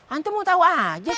antum mau tau aja